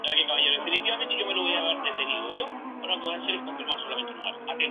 La carne es salada, por lo que no requiere agregar sal a la receta.